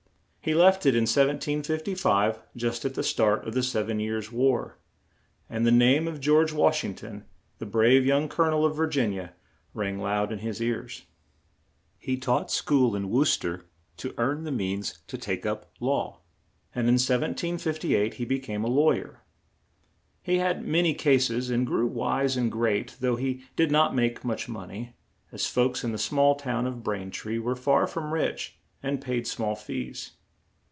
He left it in 1755, just at the start of the "Sev en Years' War"; and the name of George Wash ing ton, the brave young Col o nel of Vir gin ia, rang loud in his ears. [Illustration: JOHN ADAMS.] He taught school in Wor ces ter to earn the means to take up law; and in 1758 he be came a law yer. He had ma ny cas es, and grew wise and great, though he did not make much mon ey, as folks in the small town of Brain tree were far from rich and paid small fees.